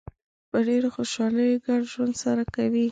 په ډېرې خوشحالۍ ګډ ژوند سره کوي.